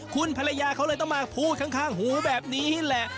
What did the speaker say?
คุณภรรยาเขาเลยต้องมาพูดข้างหูแบบนี้แหละ